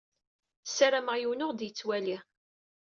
Sarameɣ yiwen ur aɣ-d-yettwali.